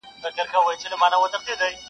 o دا کيسه پوښتنه پرېږدي تل تل,